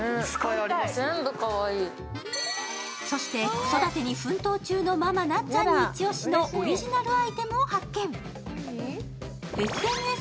子育ての奮闘中のママ、なっちゃんにイチオシのオリジナルアイテムを発見。